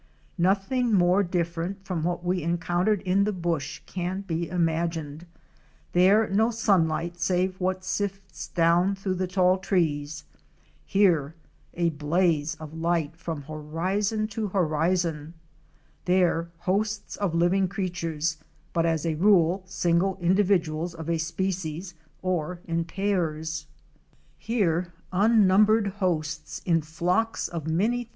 Nothing more different from what we encountered in the bush can be imagined. There, no sunlight save what sifts down through the tall trees; here, a blaze of light from horizon to horizon: there, hosts of living creatures, but as a rule single individuals of a species or in pairs; here, unnum 361 THE LIFE OF THE ABARY SAVANNAS.